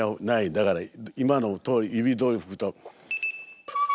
だから今の音指どおり吹くと。